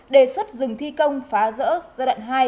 đề xuất dừng thi công phá rỡ giai đoạn hai